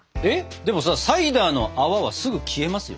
でもさサイダーの泡はすぐ消えますよ。